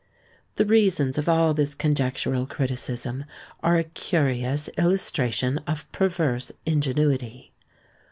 The reasons of all this conjectural criticism are a curious illustration of perverse ingenuity.